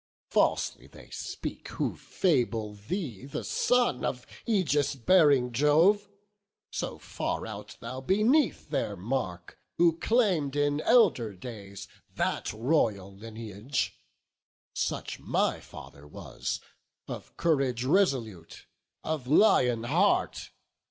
Falsely they speak who fable thee the son Of aegis bearing Jove; so far art thou Beneath their mark who claim'd in elder days That royal lineage: such my father was, Of courage resolute, of lion heart.